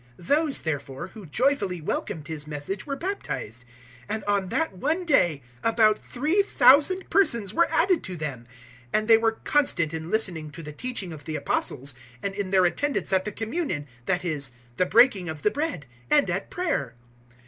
002:041 Those, therefore, who joyfully welcomed his Message were baptized; and on that one day about three thousand persons were added to them; 002:042 and they were constant in listening to the teaching of the Apostles and in their attendance at the Communion, that is, the Breaking of the Bread, and at prayer.